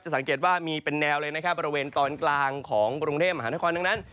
สังเกตว่ามีเป็นแนวเลยนะครับบริเวณตอนกลางของกรุงเทพมหานครดังนั้น